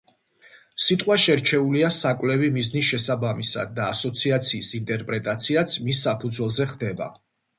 სიტყვა შერჩეულია საკვლევი მიზნის შესაბამისად და „ასოციაციის“ ინტერპრეტაციაც მის საფუძველზე ხდება.